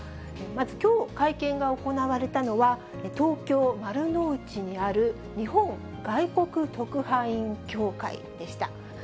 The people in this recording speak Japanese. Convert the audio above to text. まずきょう、会見が行われたのは、東京・丸の内にある日本外国特派員協会でした。